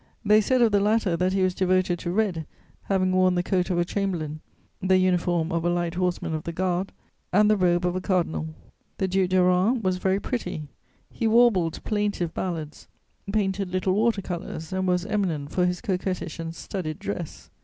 They said of the latter that he was devoted to red, having worn the coat of a chamberlain, the uniform of a light horseman of the Guard, and the robe of a cardinal. [Sidenote: The Duc de Rohan.] The Duc de Rohan was very pretty; he warbled plaintive ballads, painted little water colours and was eminent for his coquettish and studied dress.